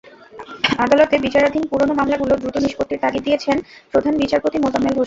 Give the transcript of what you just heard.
আদালতে বিচারাধীন পুরোনো মামলাগুলো দ্রুত নিষ্পত্তির তাগিদ দিয়েছেন প্রধান বিচারপতি মোজাম্মেল হোসেন।